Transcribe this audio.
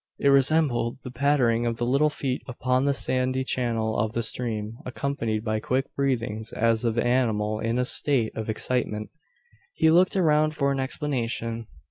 It resembled the pattering of little feet upon the sandy channel of the stream, accompanied by quick breathings, as of animal in a state of excitement. He looked around for an explanation.